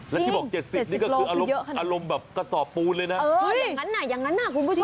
และที่บอก๗๐กิโลกรัมนี่ก็คืออารมณ์แบบกระสอบปูนเลยนะเอออย่างนั้นนะคุณผู้ชม